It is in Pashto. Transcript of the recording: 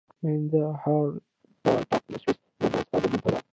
میهندراپراتاپ له سویس زرلینډ څخه برلین ته ولاړ.